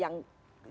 yang juga diberikan